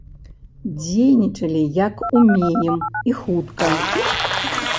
Дзейнічалі як ўмеем і хутка.